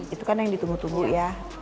itu kan yang ditunggu tunggu ya